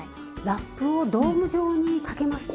ラップをドーム状にかけますと。